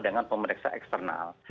dengan pemeriksa eksternal